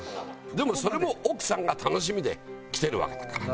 でもそれも奥さんが楽しみで来てるわけだから。